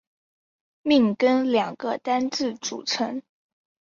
命根两个单字组成。